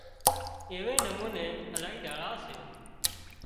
ايوي نموني الاهي ڍاۯا سي